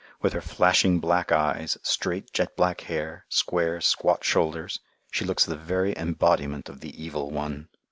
With her flashing black eyes, straight, jet black hair, square, squat shoulders, she looks the very embodiment of the Evil One.